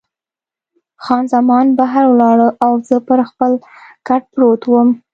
خان زمان بهر ولاړه او زه پر خپل کټ پروت وم.